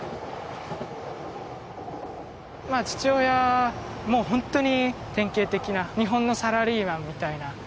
まあ父親もうほんとに典型的な日本のサラリーマンみたいな。